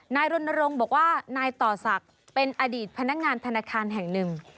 รณรงค์บอกว่านายต่อศักดิ์เป็นอดีตพนักงานธนาคารแห่งหนึ่ง